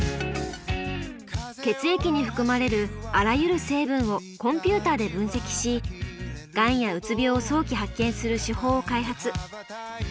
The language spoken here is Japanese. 血液に含まれるあらゆる成分をコンピューターで分析しがんやうつ病を早期発見する手法を開発。